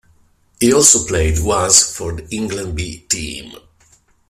He also played once for the England B team.